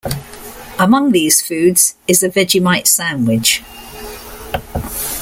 Among these foods is a Vegemite sandwich.